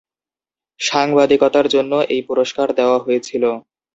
সাংবাদিকতার জন্য এই পুরস্কার দেওয়া হয়েছিল।